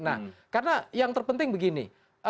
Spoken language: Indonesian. nah karena yang terpenting begini